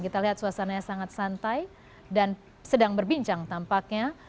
kita lihat suasananya sangat santai dan sedang berbincang tampaknya